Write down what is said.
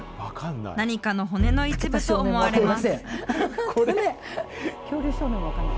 何かの骨の一部と思われます。